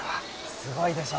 すごいでしょ。